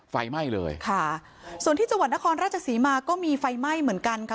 ไฟไหม้เลยค่ะส่วนที่จังหวัดนครราชศรีมาก็มีไฟไหม้เหมือนกันค่ะ